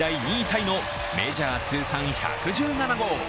タイのメジャー通算１１７号。